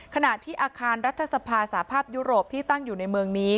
ขณะที่อาคารรัฐสภาสาภาพยุโรปที่ตั้งอยู่ในเมืองนี้